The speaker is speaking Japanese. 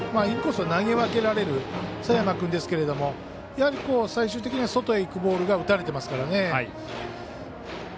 インコースを投げ分けられる佐山君ですけど最終的には外へいくボールが打たれてますから。